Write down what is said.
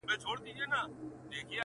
خلک هره ورځ ویډیوګانې ګوري